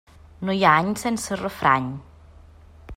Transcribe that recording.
No hi ha any sense refrany.